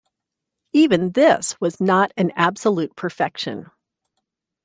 Even this was not an absolute perfection.